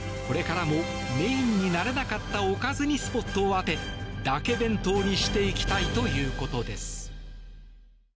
これからもメインになれなかったおかずにスポットを当てだけ弁当にしていきたいということです。